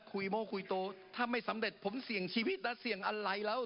โม่คุยโตถ้าไม่สำเร็จผมเสี่ยงชีวิตแล้วเสี่ยงอะไรแล้ว